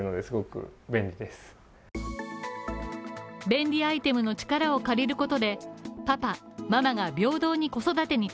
便利アイテムの力を借りることで、パパ、ママが平等に子育てに